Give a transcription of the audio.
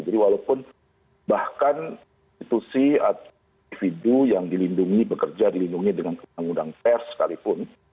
jadi walaupun bahkan institusi atau individu yang dilindungi bekerja dilindungi dengan undang undang pers sekalipun